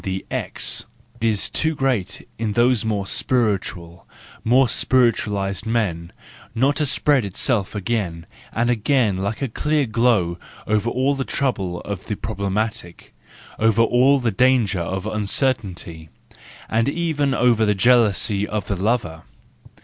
8 THE JOYFUL WISDOM X, is too great in those more spiritual and more spiritualised men, riot to spread itself again and again like a clear glow over all the trouble of the problematic, over all the danger of uncertainty, and even over the jealousy of the lover.